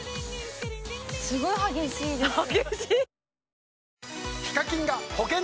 すごい激しいです